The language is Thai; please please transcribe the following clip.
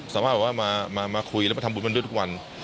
สามารถมาคุยแล้วทำบุญมันด้วยทุกวัน